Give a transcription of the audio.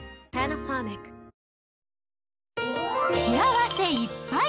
幸せいっぱい！